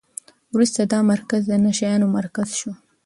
وروسته دا مرکز د نشه یانو مرکز شو.